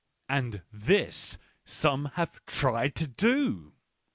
And this some have tried to do!